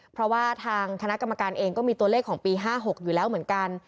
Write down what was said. เพราะว่าทางคณะกรรมการเองก็มีตัวเลขของปี๕๖อยู่แล้วเหมือนกัน